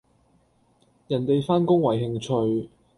人地返工為興趣